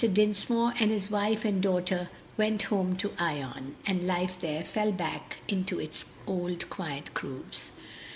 Dinsmore and his wife and daughter went home to Ion, and life there fell back into its old quiet grooves.